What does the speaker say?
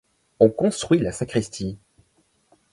On construit la sacristie.